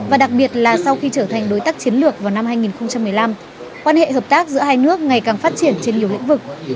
và đặc biệt là sau khi trở thành đối tác chiến lược vào năm hai nghìn một mươi năm quan hệ hợp tác giữa hai nước ngày càng phát triển trên nhiều lĩnh vực